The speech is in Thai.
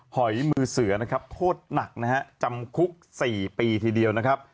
หอยมือเสือโทษหนักจำคุก๔ปีทีเดียว